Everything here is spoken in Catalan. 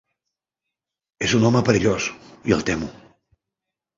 És un home perillós i el temo.